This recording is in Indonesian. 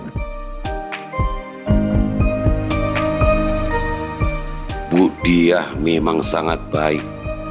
ibu diah memang sangat baik